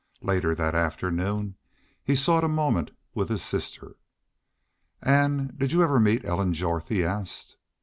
Later that afternoon he sought a moment with his sister. "Ann, did you ever meet Ellen Jorth?" he asked.